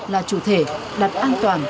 là chủ thể đặt an toàn